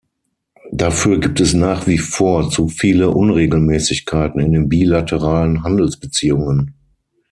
Dafür gibt es nach wie vor zu viele Unregelmäßigkeiten in den bilateralen Handelsbeziehungen.